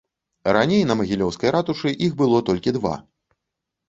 Раней на магілёўскай ратушы іх было толькі два.